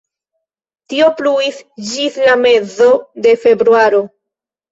Tio pluis ĝis la mezo de februaro.